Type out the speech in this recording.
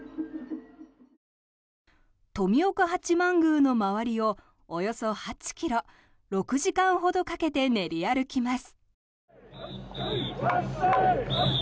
富岡八幡宮の周りをおよそ８ｋｍ６時間ほどかけて練り歩きます。